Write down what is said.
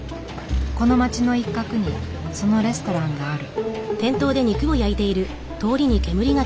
この街の一角にそのレストランがある。